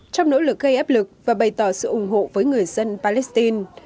trong nỗ lực gây áp lực và bày tỏ sự ủng hộ với người dân palestine